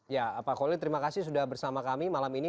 ya pak kolin terima kasih sudah bersama kami malam ini